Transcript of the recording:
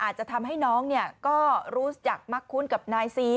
อาจจะทำให้น้องก็รู้จักมักคุ้นกับนายซี